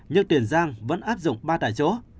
nhưng tiền giang vẫn áp dụng ba tại chỗ